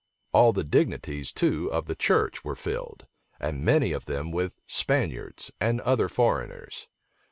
All the dignities too of the church were filled, and many of them with Spaniards and other foreigners.